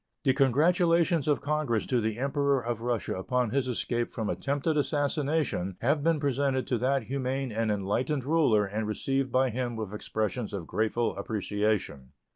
The congratulations of Congress to the Emperor of Russia upon his escape from attempted assassination have been presented to that humane and enlightened ruler and received by him with expressions of grateful appreciation.